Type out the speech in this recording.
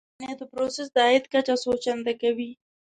د لبنیاتو پروسس د عاید کچه څو چنده کوي.